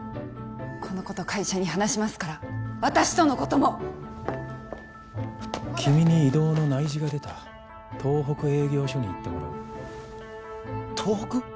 このこと会社に話しますから私とのことも君に異動の内示が出た東北営業所に行ってもらう東北？